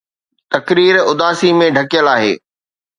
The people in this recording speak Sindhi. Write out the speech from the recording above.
تقرير اداسي ۾ ڍڪيل آهي